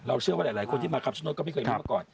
เชื่อว่าหลายคนที่มาคำชโนธก็ไม่เคยรู้มาก่อน